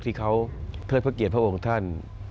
ที่เขาเทิดพระเกียรติพระองค์ท่าน